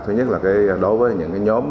thứ nhất là đối với những nhóm